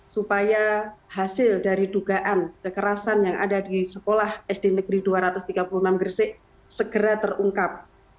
supaya hasil dari dugaan kekerasan yang ada di sekolah sd negeri dua ratus tiga puluh enam gresik segera terungkap